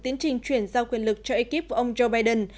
tiến trình chuyển giao quyền lực cho ekip ông joe biden